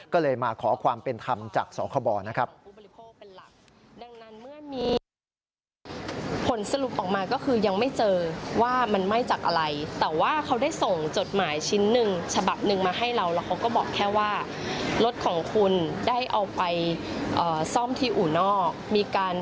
ก็เลยมาขอความเป็นธรรมจากสคบนะครับ